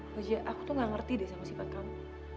wajah aku tuh gak ngerti deh sama sifat kamu